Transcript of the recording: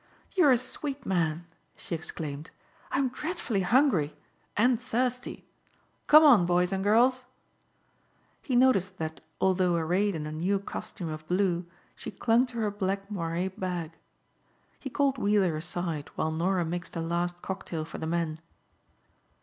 "You are a sweet man," she exclaimed, "I'm dreadfully hungry and thirsty. Come on boys and girls." He noticed that although arrayed in a new costume of blue, she clung to her back moiré bag. He called Weiller aside while Norah mixed a last cocktail for the men.